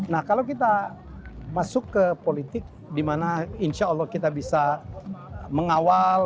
nah kalau kita masuk ke politik dimana insya allah kita bisa mengawal